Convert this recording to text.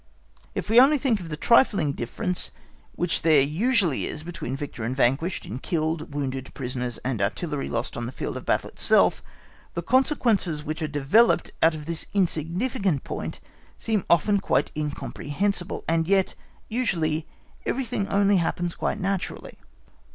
If we only think of the trifling difference which there usually is between victor and vanquished in killed, wounded, prisoners, and artillery lost on the field of battle itself, the consequences which are developed out of this insignificant point seem often quite incomprehensible, and yet, usually, everything only happens quite naturally.